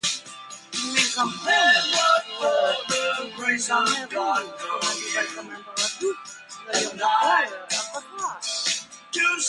Main components were the Gendarmerie commanded by Commander Abdou, the younger brother of Bacar.